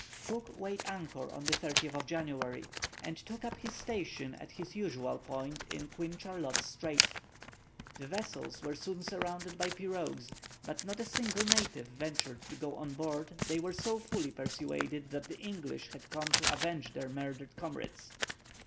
Cook weighed anchor on the 30th of January, and took up his station at his usual point in Queen Charlotte's Strait. The vessels were soon surrounded by pirogues, but not a single native ventured to go on board, they were so fully persuaded that the English had come to avenge their murdered comrades.